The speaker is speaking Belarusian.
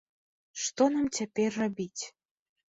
Што нам цяпер рабіць?